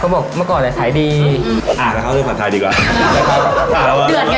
เขาบอกเมื่อก่อนแหละขายดีอ่าแล้วเค้าเล่นดีกว่า